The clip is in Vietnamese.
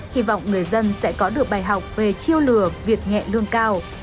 hy vọng người dân sẽ có được bài học về chiêu lừa việc nhẹ lương cao